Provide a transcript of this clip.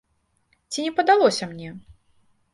Ці не падалося мне?